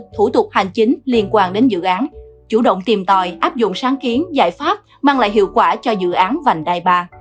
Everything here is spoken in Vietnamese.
thủ tục hành chính liên quan đến dự án chủ động tìm tòi áp dụng sáng kiến giải pháp mang lại hiệu quả cho dự án vành đai ba